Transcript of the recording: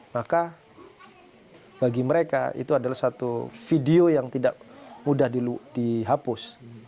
maka bagi mereka itu adalah satu video yang tidak mudah dihapus